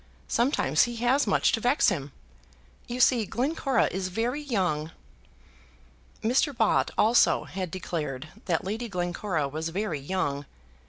Sometimes he has much to vex him. You see, Glencora is very young." Mr. Bott also had declared that Lady Glencora was very young.